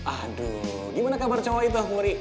aduh gimana kabar cowok itu muri